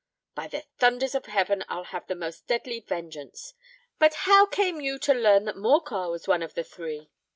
By the thunders of heaven, I'll have the most deadly vengeance! But how came you to learn that Morcar was one of the three?"